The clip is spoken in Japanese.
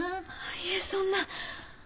いえそんな。